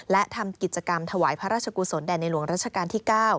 และทำกิจกรรมถวายพระราชกุศลแด่ในหลวงรัชกาลที่๙